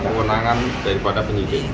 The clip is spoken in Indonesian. kewenangan daripada penyidik